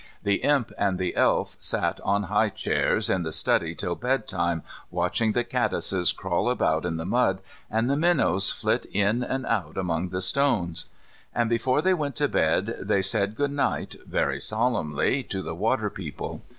The Imp and the Elf sat on high chairs in the study till bed time watching the caddises crawl about on the mud, and the minnows flit in and out among the stones. And before they went to bed they said goodnight, very solemnly, to the water people.